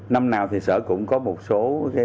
năm nào thì sở cũng có một số